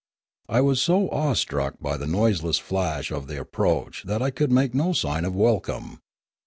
I was so awestruck by the noiseless flash of the approach that I could make no sign of welcome.